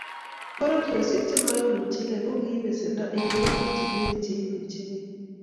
Pororiosiek chemoimuchegei ko kiib besendo eng emotinwek che imuchegei